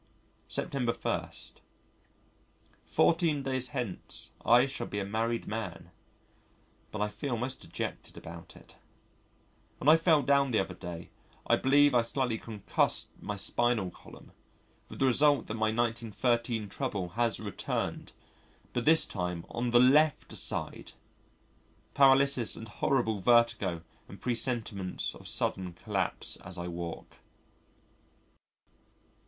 September 1. Fourteen days hence I shall be a married man. But I feel most dejected about it. When I fell down the other day, I believe I slightly concussed my spinal column, with the result that my 1913 trouble has returned, but this time on the left side! paralysis and horrible vertigo and presentiments of sudden collapse as I walk.